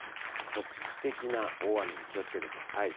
局地的な大雨に気をつけてください。